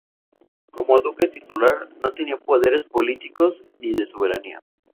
Como duque titular, no tenía poderes políticos ni de soberanía.